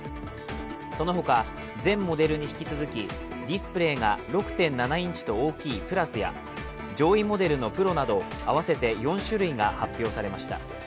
そのほか、全モデルに引き続き、ディスプレーが６．７インチと大きいＰｌｕｓや上位モデルのＰｒｏなど合わせて４種類が発表されました。